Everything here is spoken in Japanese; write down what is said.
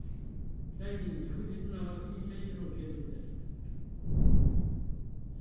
第２に着実なワクチン接種の継続です。